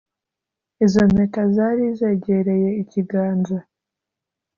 Izo mpeta zari zegereye ikiganza